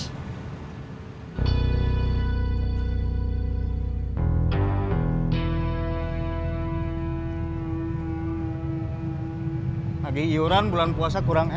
tidak ada yang bisa dibawa ke sana